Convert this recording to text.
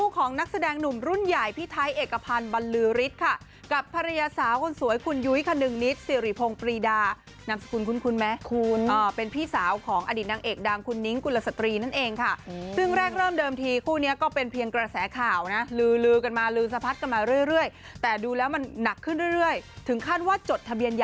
ของนักแสดงหนุ่มรุ่นใหญ่พี่ไทยเอกพันธ์บรรลือฤทธิ์ค่ะกับภรรยาสาวคนสวยคุณยุ้ยคนึงนิดสิริพงศ์ปรีดานามสกุลคุ้นไหมคุณเป็นพี่สาวของอดีตนางเอกดังคุณนิ้งกุลสตรีนั่นเองค่ะซึ่งแรกเริ่มเดิมทีคู่นี้ก็เป็นเพียงกระแสข่าวนะลือลือกันมาลือสะพัดกันมาเรื่อยแต่ดูแล้วมันหนักขึ้นเรื่อยถึงขั้นว่าจดทะเบียนย